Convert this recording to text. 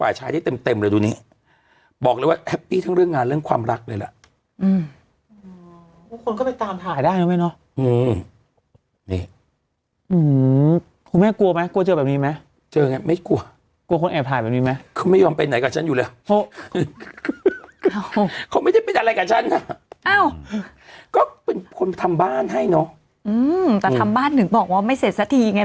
แต่ทำบ้านถึงบอกว่าไม่เสร็จซะทีไง